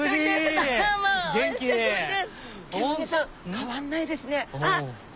変わんないですね。